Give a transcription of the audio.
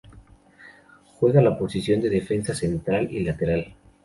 Juega la posición de Defensa central y lateral.